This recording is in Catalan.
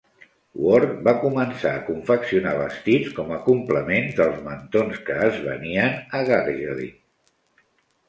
Worth va començar a confeccionar vestits com a complement dels mantons que es venien a Gagelin.